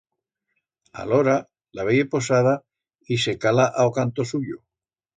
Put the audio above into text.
Alora la veye posada y se cala a o canto suyo.